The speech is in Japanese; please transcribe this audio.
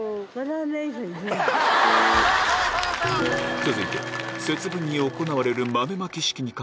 続いて節分に行われる